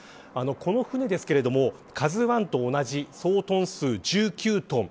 この船ですが、ＫＡＺＵ１と同じ総トン数１９トン。